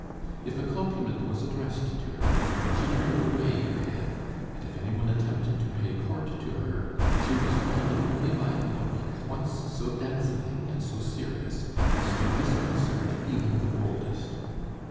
If a compliment was addressed to her, she turned away her head, and if any one attempted to pay court to her, she responded only by a look at once so dazzling and so serious as to disconcert even the boldest.